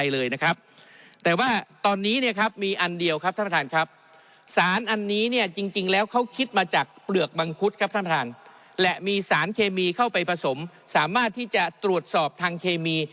และมีสารเคมีเข้าไปผสมสามารถที่จะตรวจสอบทางเคมี